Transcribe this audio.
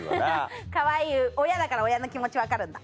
かわいい親だから親の気持ち分かるんだ。